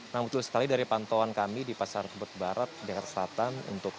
nah betul sekali dari pantauan kami di pasar tebet barat jakarta selatan